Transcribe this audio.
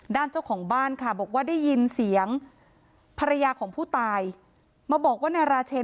เจ้าของบ้านค่ะบอกว่าได้ยินเสียงภรรยาของผู้ตายมาบอกว่านายราเชน